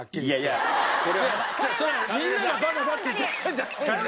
いや違うみんながバカだって言ってるんじゃないのよ。